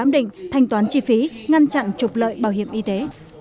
định thanh toán chi phí ngăn chặn trục lợi bảo hiểm y tế